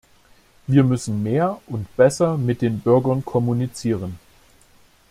Wir müssen mehr und besser mit den Bürgern kommunizieren.